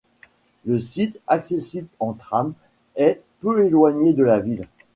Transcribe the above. Le site, accessible en tram, est peu éloigné de la ville.